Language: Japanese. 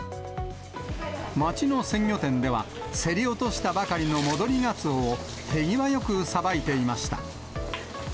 町の鮮魚店では、競り落としたばかりの戻りガツオを手際よくさばいていました。